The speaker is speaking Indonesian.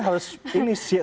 kalau rian masuk